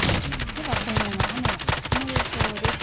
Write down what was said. では、今後の雨や雪の予想です。